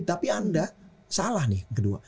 tapi anda salah nih kedua